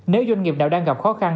nếu doanh nghiệp nào đang gặp khó khăn